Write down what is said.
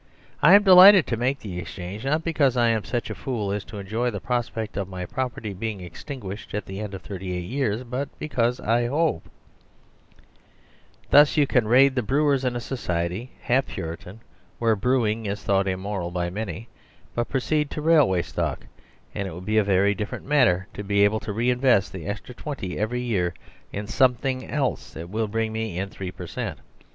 I am delighted to make the exchange, not because I am such a fool as to enjoy the prospect of my property being extin guished at the end of thirty eight years, but because I hope * Thus you can raid the brewers in a society half Puritan where brewing is thought immoral by many, but proceed to railway stock and it will be a very different matter. 149 THE SERVILE STATE to be able to reinvest the extra 20 every year in some thing else that will bring me in 3 per cent.